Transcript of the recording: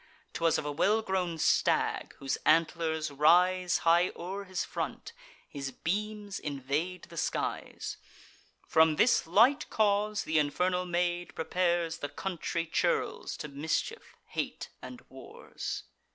'Twas of a well grown stag, whose antlers rise High o'er his front; his beams invade the skies. From this light cause th' infernal maid prepares The country churls to mischief, hate, and wars.